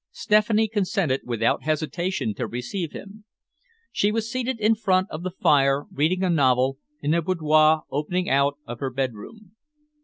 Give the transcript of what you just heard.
Stephanie consented without hesitation to receive him. She was seated in front of the fire, reading a novel, in a boudoir opening out of her bedroom.